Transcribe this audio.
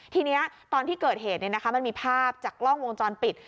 ทีนี้ตอนที่เกิดเหตุมันมีภาพจากกล้องวงจรปิด